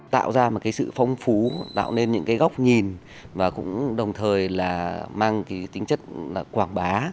tạo ra một cái sự phong phú tạo nên những cái góc nhìn và cũng đồng thời là mang cái tính chất là quảng bá